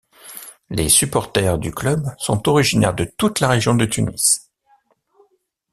Les supporters du club sont originaires de toute la région de Tunis.